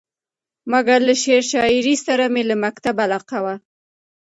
مګر له شعر شاعرۍ سره مې له مکتبه علاقه وه.